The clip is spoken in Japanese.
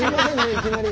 いきなり。